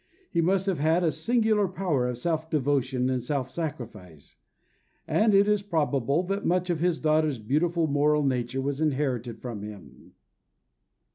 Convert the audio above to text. He must have had a singular power of self devotion and self sacrifice; and it is probable that much of his daughter's beautiful moral nature was inherited from him.